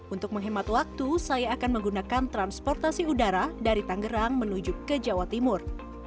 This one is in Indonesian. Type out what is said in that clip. untuk menghemat waktu saya akan menggunakan transportasi udara dari tangerang menuju ke jawa timur